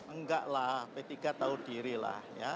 enggaklah p tiga tahu dirilah